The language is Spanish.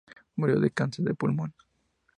Murió de cáncer de pulmón.